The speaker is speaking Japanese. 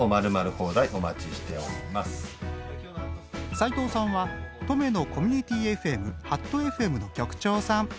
斉藤さんは登米のコミュニティＦＭはっとＦＭの局長さん。